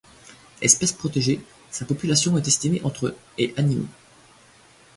Espèce protégée, sa population est estimée entre et animaux.